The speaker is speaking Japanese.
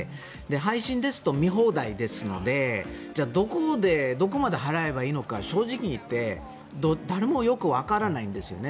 配信ですと見放題ですのでどこまで払えばいいのか正直言って誰もよくわからないんですよね。